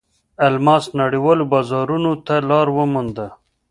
الماس نړیوالو بازارونو ته لار ومونده.